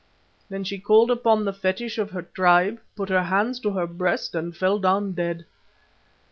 Then she called upon the fetish of her tribe, put her hands to her breast and fell down dead.